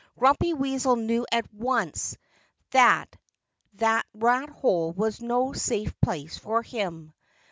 Grumpy Weasel knew at once that that rat hole was no safe place for him.